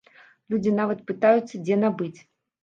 Людзі нават пытаюцца, дзе набыць.